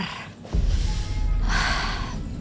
aku bisa hirup udara segar